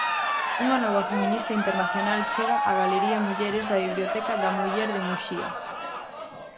Unha nova feminista internacional chega a Galería Mulleres da biblioteca da muller de Muxía.